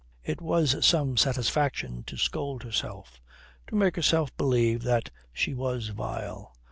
It was some satisfaction to scold herself, to make herself believe that she was vile.